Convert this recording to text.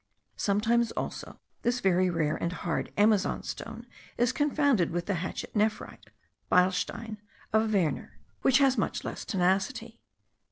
Sometimes also this very rare and hard Amazon stone is confounded with the hatchet nephrite (beilstein)* of Werner, which has much less tenacity.